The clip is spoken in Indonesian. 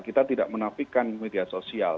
kita tidak menafikan media sosial